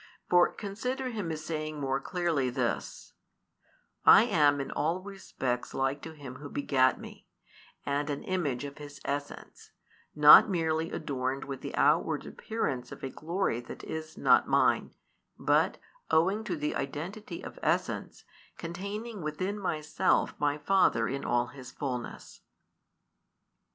For consider Him as saying more clearly this: "I am in all respects like to Him Who begat Me, and an Image of His essence; not merely adorned with the outward appearance of a glory that is not Mine, but, owing to the identity of essence, containing within Myself My Father in all His fulness."